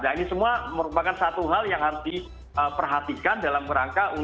nah ini semua merupakan satu hal yang harus diperhatikan dalam rangka